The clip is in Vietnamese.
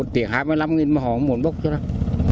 một triệu đồng